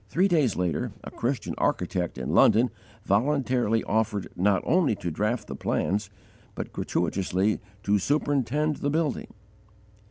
Three days later, a Christian architect in London voluntarily offered not only to draught the plans, but gratuitously to superintend the building!